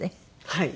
はい。